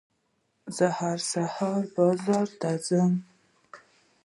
زه هر سهار بازار ته ځم.